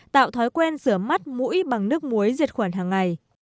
tạo thói quen rửa mắt mũi bằng nước muối diệt khuẩn hằng ngày